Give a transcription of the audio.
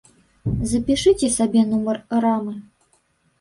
Запішыце сабе нумар рамы.